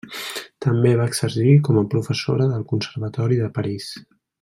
També va exercir com a professora del Conservatori de París.